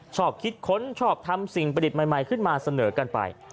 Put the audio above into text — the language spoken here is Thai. ชอบคิดค้นชอบทำสิ่งประดิษฐ์ใหม่ขึ้นมาเสนอกันไป